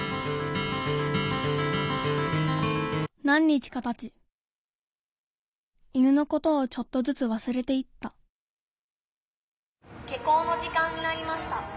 何日かたち犬のことをちょっとずつわすれていった「下校の時間になりました。